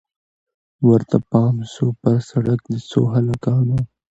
ورته پام سو پر سړک د څو هلکانو